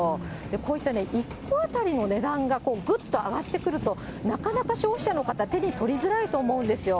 こういった１個当たりの値段がぐっと上がってくると、なかなか消費者の方、手に取りづらいと思うんですよ。